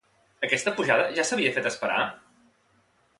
Aquesta pujada ja s'havia fet esperar?